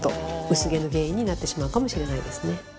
薄毛の原因になってしまうかもしれないですね。